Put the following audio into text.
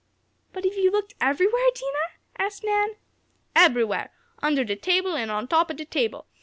"But have you looked everywhere, Dinah?" asked Nan. "Eberywhere! Under de table an' on top ob de table.